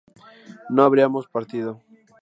no habríamos partido